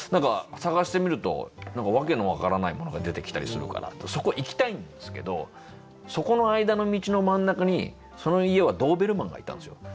探してみると訳の分からないものが出てきたりするからそこ行きたいんですけどそこの間の道の真ん中にその家はドーベルマンがいたんですよ。